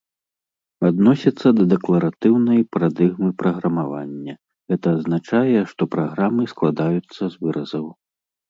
Адносіцца да дэкларатыўнай парадыгмы праграмавання, гэта азначае, што праграмы складаюцца з выразаў.